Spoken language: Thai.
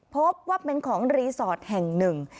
พบว่าเป็นของรีสอร์ทแห่งหนึ่ง